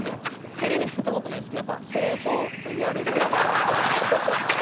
テレビで言った事ないですけどやっぱ精巣といわれる。